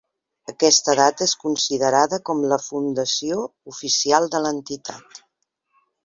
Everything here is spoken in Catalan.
Aquesta data és considerada com a la fundació oficial de l'entitat.